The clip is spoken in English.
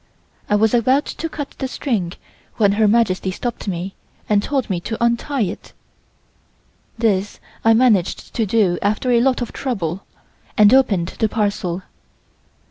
I was about to cut the string when Her Majesty stopped me and told me to untie it. This I managed to do after a lot of trouble, and opened the parcel.